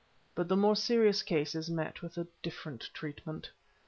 But the more serious cases met with a different treatment.